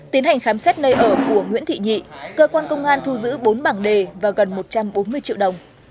tiến hành khám xét nơi ở của nguyễn thị nhị cơ quan công an thu giữ bốn bảng đề và gần một trăm bốn mươi triệu đồng